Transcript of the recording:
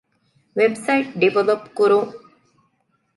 ވެބްސައިޓް ޑިވެލޮޕް ކުރުން